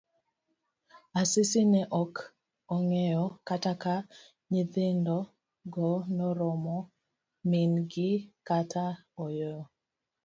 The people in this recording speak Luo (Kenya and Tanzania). Asisi ne ok ong'eyo kata ka nyithindo go nomoro min gi kata ooyo.